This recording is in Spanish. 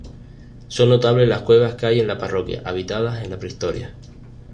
Son notables las cuevas que hay en la parroquia, habitadas en la prehistoria.